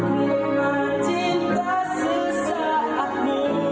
tuhan ku cinta sesaatmu